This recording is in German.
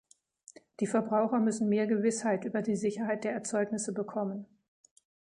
Die Verbraucher müssen mehr Gewissheit über die Sicherheit der Erzeugnisse bekommen.